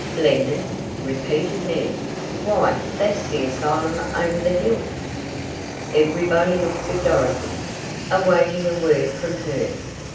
'" "Blenden!" repeated Ned. "Why that's the asylum over the hill!" Everybody looked at Dorothy, awaiting a word from her.